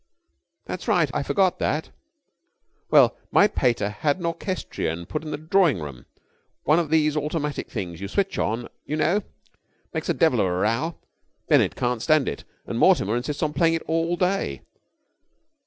"That's right. I forgot that. Well, my pater had an orchestrion put in the drawing room. One of these automatic things you switch on, you know. Makes a devil of a row. Bennett can't stand it, and Mortimer insists on playing it all day.